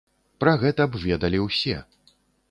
Пра гэта б ведалі ўсе.